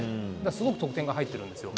すごく得点が入ってるんですよ。